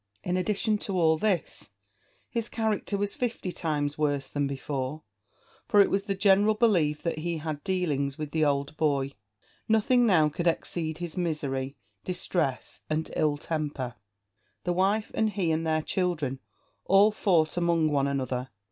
In addition to all this, his character was fifty times worse than before; for it was the general belief that he had dealings with the old boy. Nothing now could exceed his misery, distress, and ill temper. The wife and he and their children all fought among one another.